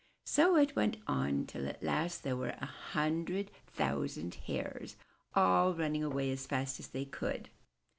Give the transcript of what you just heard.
So it went on, till at last there were a hundred thousand Hares all running away as fast as they could.